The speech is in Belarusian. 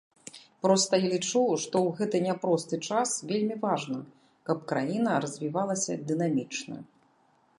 Проста я лічу, што ў гэты няпросты час вельмі важна, каб краіна развівалася дынамічна.